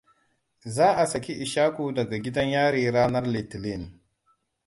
Za a saki Ishaku daga gidan yari ranar Litinin.